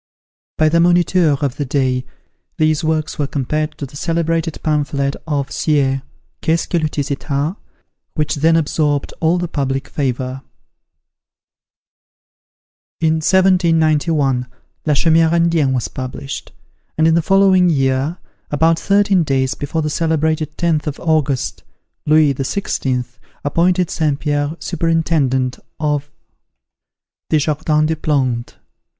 By the Moniteur of the day, these works were compared to the celebrated pamphlet of Sieyes, "Qu'est ce que le tiers etat?" which then absorbed all the public favour. In 1791, "La Chaumiere Indienne" was published: and in the following year, about thirteen days before the celebrated 10th of August, Louis XVI. appointed St. Pierre superintendant of the "Jardin des Plantes."